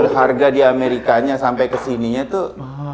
harga di amerikanya sampe kesininya tuh